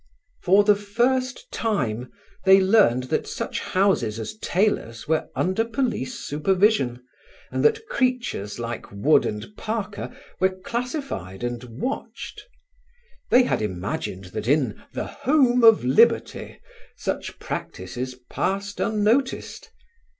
For the first time they learned that such houses as Taylor's were under police supervision, and that creatures like Wood and Parker were classified and watched. They had imagined that in "the home of liberty" such practices passed unnoticed.